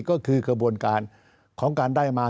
ก็คือกระบวนการของการได้มา